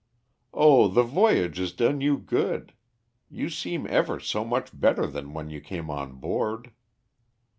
"Oh, the voyage has done you good. You seem ever so much better than when you came on board."